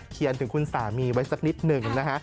เขียนถึงคุณสามีไว้สักนิดหนึ่งนะฮะ